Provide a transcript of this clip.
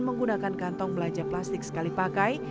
menggunakan kantong belanja plastik sekali pakai